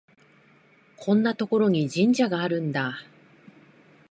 こんなところに神社があるんだ